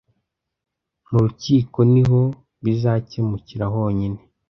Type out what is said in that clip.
Mu rukiko niho bizakemukira honyine.